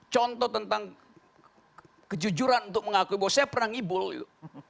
contoh tentang kejujuran untuk mengakui bahwa saya pernah ngibul gitu